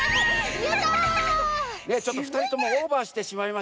いやちょっとふたりともオーバーしてしまいましたね。